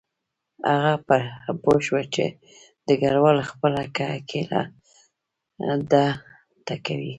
هغه پوه شو چې ډګروال خپله ګیله ده ته کوي